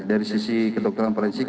dari sisi kedokteran forensik